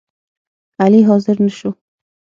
علي حاضر نشو